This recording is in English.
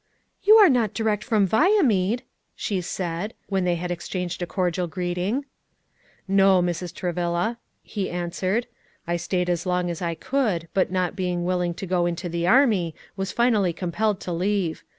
"You are not direct from Viamede!" she asked, when they had exchanged a cordial greeting. "No, Mrs. Travilla," he answered; "I stayed as long as I could, but not being willing to go into the army, was finally compelled to leave.